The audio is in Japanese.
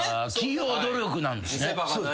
企業努力なんですね。